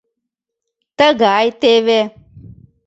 — Тыгай теве...